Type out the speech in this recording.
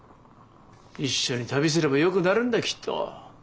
一緒に旅すればよくなるんだきっと。